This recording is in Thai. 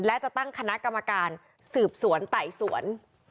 และจะตั้งคณะกรรมการสืบสวนไต่สวน